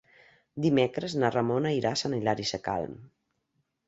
Dimecres na Ramona irà a Sant Hilari Sacalm.